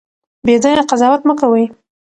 بې ځایه قضاوت مه کوئ.